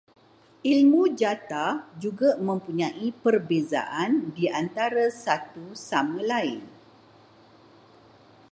Ilmu jata juga mempunyai perbezaan di antara satu sama lain